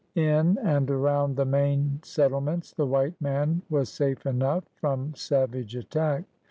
In and around the main settlements the white man was sale enough from savage attack.